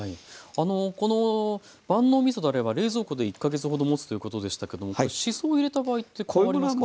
この万能みそだれは冷蔵庫で１か月ほどもつということでしたけどもしそを入れた場合って変わりますか？